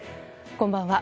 こんばんは。